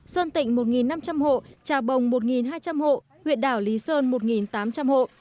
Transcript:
sơn tịnh một năm trăm linh hộ trà bồng một hai trăm linh hộ huyện đảo lý sơn một tám trăm linh hộ